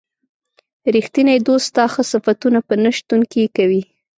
ریښتینی دوست ستا ښه صفتونه په نه شتون کې کوي.